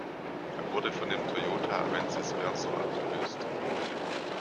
Er wurde von dem Toyota Avensis Verso abgelöst.